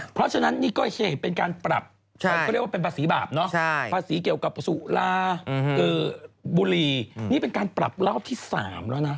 เพราะฉะนั้นนี่ก็เป็นการปรับมันก็เรียกว่าเป็นภาษีบาปเนาะภาษีเกี่ยวกับสุราบุรีนี่เป็นการปรับรอบที่๓แล้วนะ